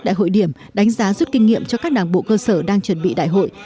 đại hội điểm đánh giá rút kinh nghiệm cho các đảng bộ cơ sở đang chuẩn bị đại hội